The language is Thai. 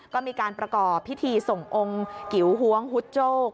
ก็มีการประกอบพิธีทรงองค์เก๋วฮว้วงฮุเจ้า